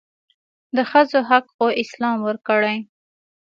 دښځو حق خواسلام ورکړي